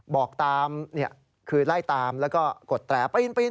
บอกตามคือไล่ตามแล้วก็กดแตรปีน